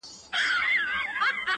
د غرو لمنو کي اغزیو پیرې وکرلې!!